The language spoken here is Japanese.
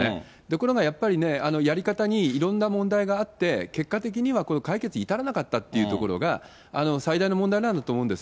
これがやっぱりやり方にいろんな問題があって、結果的にはこの解決に至らなかったっていうところが、最大の問題なんだと思うんです。